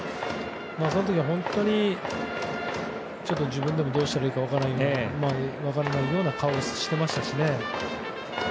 その時は本当に自分でもどうしたらいいか分からないような顔をしてましたしね。